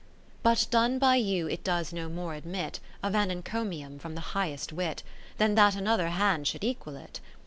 V But done by you it does no more admit Of an encomium from the highest wit, Than that another hand should equal it.